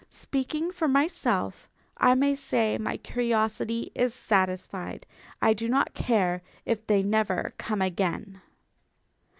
Speaking for myself, I may say my curiosity is satisfied. I do not care if they never come again.